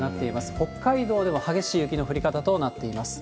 北海道でも激しい雪の降り方となっています。